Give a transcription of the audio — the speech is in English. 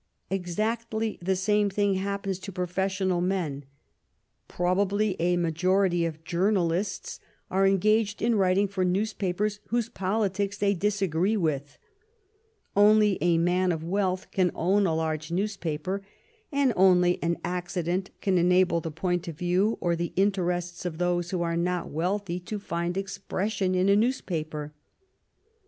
Exactly the same thing happens to professional men. Probably a majority of journalists are engaged in writing for newspapers whose politics they disagree with; only a man of wealth can own a large newspaper, and only an accident can enable the point of view or the interests of those who are not wealthy to find expression in a newspaper.